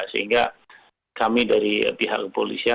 sehingga kami dari pihak kepolisian